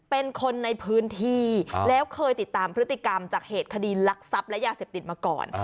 เป็นคนในพื้นที่แล้วเคยติดตามพฤติกรรมจากเหตุคดีลักทรัพย์และยาเสพติดมาก่อน